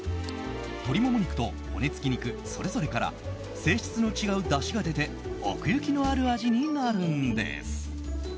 鶏もも肉と骨付き肉それぞれから性質の違うだしが出て奥行きのある味になるんです。